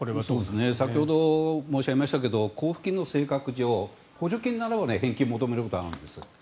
先ほど申し上げましたが交付金の性格上補助金ならば返金を求めることがあるんです。